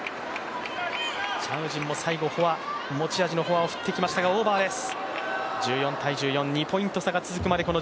チャン・ウジンも持ち味のフォアを振ってきましたがオーバーです。